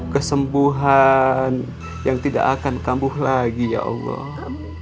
kesembuhan yang tidak akan kambuh lagi ya allah